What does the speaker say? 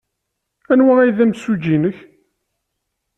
Anwa ay d imsujji-nnek?